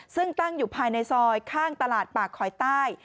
ซึ่งตั้งอยู่ภายในซอยข้างตลาดปากคอยใต้